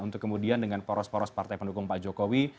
untuk kemudian dengan poros poros partai pendukung pak jokowi